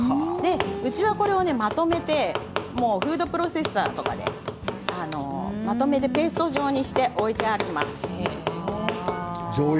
うちはまとめてフードプロセッサーなどでまとめてペースト状にして置いてあります。